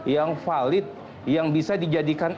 yang valid yang bisa dijadikan